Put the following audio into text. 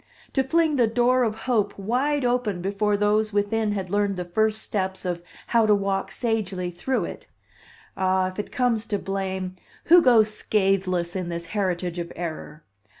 To fling the "door of hope" wide open before those within had learned the first steps of how to walk sagely through it! Ah, if it comes to blame, who goes scatheless in this heritage of error?